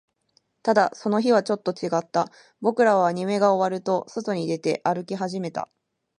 ただ、その日はちょっと違った。僕らはアニメが終わると、外に出て、歩き始めた。